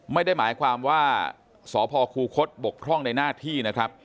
ไม่ได้หมายความว่าสพคูคศบกพร่องในหน้าที่นะครับ